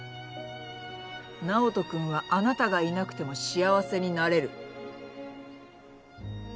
直人君はあなたがいなくても幸せになれる。